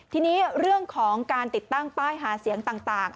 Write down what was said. ทีนี้เรื่องของการติดตั้งป้ายหาเสียงต่าง